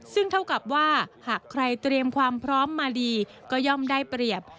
ซึ่งเท่ากับว่าหากใครเตรียมความพร้อมมาดีก็ย่อมได้เปรียบ